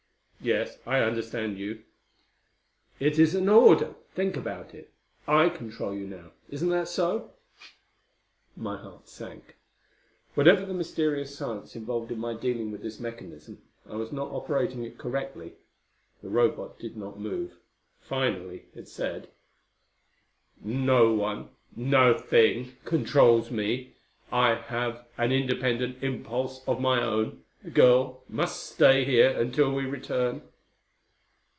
"Yes, I understand you." "It is an order. Think about it. I control you now. Isn't that so?" My heart sank. Whatever the mysterious science involved in my dealing with this mechanism, I was not operating it correctly. The Robot did not move. Finally it said: "No one nothing controls me. I have an independent impulse of my own. The girl must stay here until we return."